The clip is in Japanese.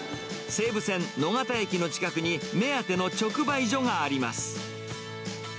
西武線野方駅の近くに、目当ての直売所があります。